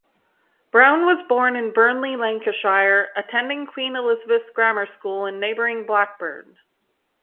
Brown was born in Burnley, Lancashire, attending Queen Elizabeth's Grammar School in neighbouring Blackburn.